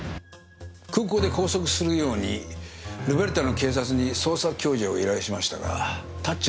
空港で拘束するようにルベルタの警察に捜査共助を依頼しましたがタッチの差でした。